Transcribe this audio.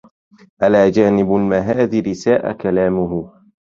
ألا جانب المهذار ساء كلامه